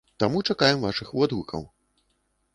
Таму чакаем вашых водгукаў.